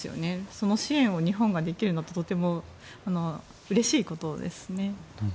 その支援を日本ができるのはとてもうれしいことですね。